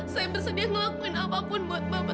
saya bersedia ngelakuin apapun buat bapak